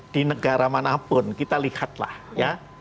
di negara mana pun kita lihat lah ya